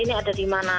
ini ada di mana